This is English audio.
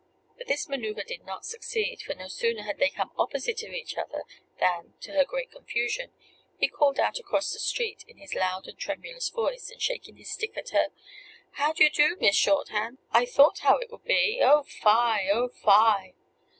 But this maneuver did not succeed; for no sooner had they come opposite to each other, than, to her great confusion, he called out across the street, in his loud and tremulous voice, and shaking his stick at her, "How d'ye do, Miss Shorthand? I thought how it would be! Oh, fie! Oh, fie!"